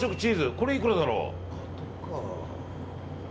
これいくらだろう。